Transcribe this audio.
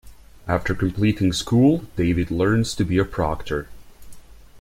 After completing school, David learns to be a proctor.